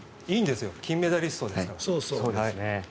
いいんですよ金メダリストですから。